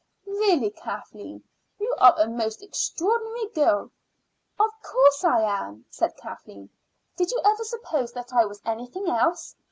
"Really, Kathleen, you are a most extraordinary girl." "Of course I am," said Kathleen. "Did you ever suppose that I was anything else?